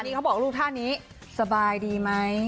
นี่เขาบอกลูกท่านี้สบายดีไหม